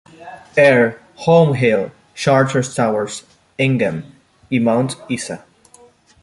Ayr, Home Hill, Charters Towers, Ingham y Mount Isa.